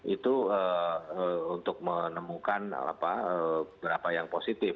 itu untuk menemukan berapa yang positif